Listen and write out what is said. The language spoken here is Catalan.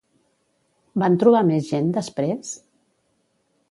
Van trobar més gent, després?